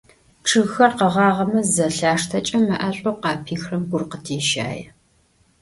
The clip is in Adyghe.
Чъыгхэр къэгъагъэмэ зызэлъаштэкӏэ, мэӏэшӏоу къапихырэм гур къыдещае.